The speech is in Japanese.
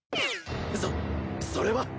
そそれは！